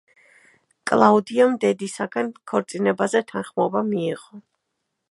კლაუდიამ დედისაგან ქორწინებაზე თანხმობა მიიღო.